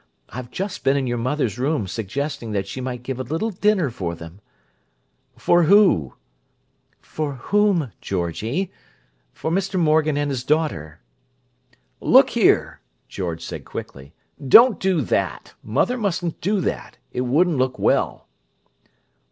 I've just been in your mother's room suggesting that she might give a little dinner for them—" "For who?" "For whom, Georgie! For Mr. Morgan and his daughter." "Look here!" George said quickly. "Don't do that! Mother mustn't do that. It wouldn't look well."